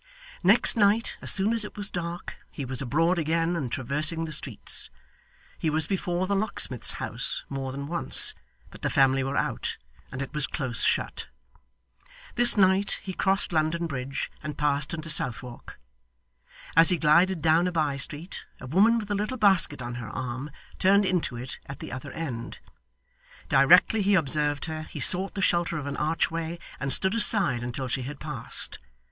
Next night, as soon as it was dark, he was abroad again and traversing the streets; he was before the locksmith's house more than once, but the family were out, and it was close shut. This night he crossed London Bridge and passed into Southwark. As he glided down a bye street, a woman with a little basket on her arm, turned into it at the other end. Directly he observed her, he sought the shelter of an archway, and stood aside until she had passed.